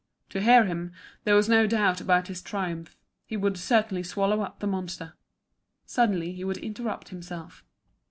To hear him, there was no doubt about his triumph; he would certainly swallow up the monster. Suddenly he would interrupt himself.